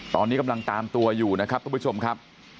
ตอนนี้กำลังตามตัวอยู่นะครับทุกผู้ชมครับ